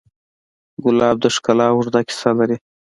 ګلاب د ښکلا اوږده کیسه لري.